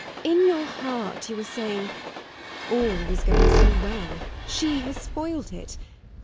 In your heart you are saying, "All was going so well she has spoiled it!